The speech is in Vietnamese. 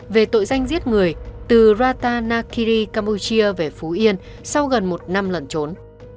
về tội danh giết người từ rata nakiri campuchia về phú yên sau gần một năm lần trốn